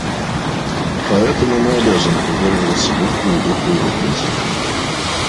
Поэтому мы обязаны придерживаться буквы и духа его принципов.